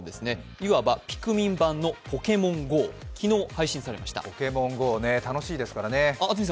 いわばピクミン版のポケモンＧＯ、ポケモンＧＯ楽しいですからね。